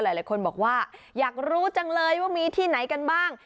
หลายคนบอกว่าอยากรู้จังเลยว่ามีที่ไหนกันบ้าง